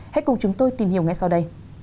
hãy cùng chúng tôi tìm hiểu ngay sau đây